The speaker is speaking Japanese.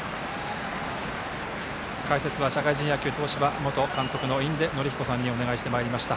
解説は社会人野球東芝の元監督印出順彦さんにお願いしてまいりました。